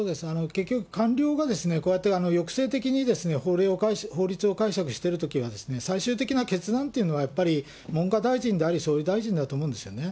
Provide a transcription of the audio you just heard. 結局、官僚がこうやって抑制的に法律を解釈しているときは、最終的な決断というのは、やっぱり文科大臣であり、総理大臣だと思うんですよね。